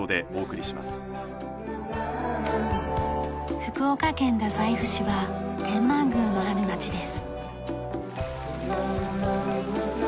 福岡県太宰府市は天満宮のある町です。